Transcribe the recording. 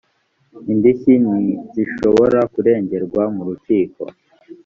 indishyi ntizishobora kuregerwa mu rukiko